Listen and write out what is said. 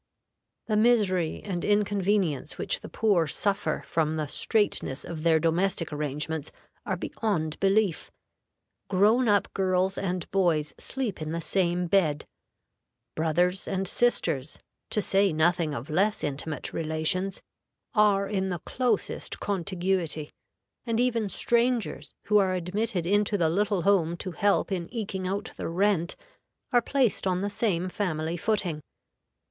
The misery and inconvenience which the poor suffer from the straitness of their domestic arrangements are beyond belief. Grown up girls and boys sleep in the same bed; brothers and sisters, to say nothing of less intimate relations, are in the closest contiguity; and even strangers, who are admitted into the little home to help in eking out the rent, are placed on the same family footing.